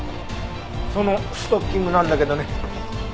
そのストッキングなんだけどね